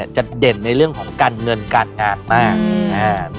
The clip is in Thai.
เด่นในเรื่องของการเงินการงานมาก